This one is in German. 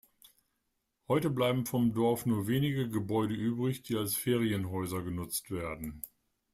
Heute bleiben vom Dorf nur wenige Gebäude übrig, die als Ferienhäuser genutzt werden.